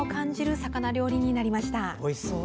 おいしそう！